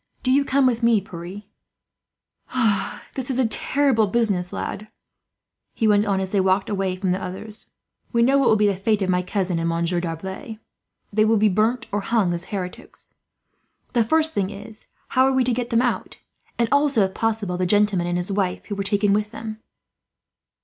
"Do you come with me, Pierre. "This is a terrible business, lad," he went on, as they walked away from the others. "We know what will be the fate of my cousin and Monsieur D'Arblay. They will be burnt or hung, as heretics. The first thing is, how are we to get them out; and also, if possible, the gentleman and his wife who were taken with them?"